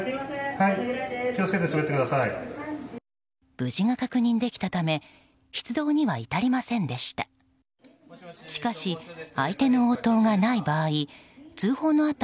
無事が確認できたため出動には至りませんでした。